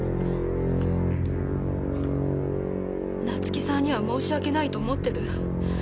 夏生さんには申し訳ないと思ってる。